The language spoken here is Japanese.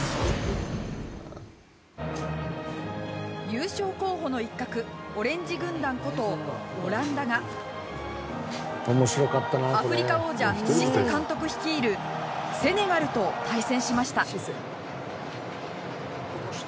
優勝候補の一角オレンジ軍団ことオランダがアフリカ王者、シセ監督率いるセネガルと対戦しました。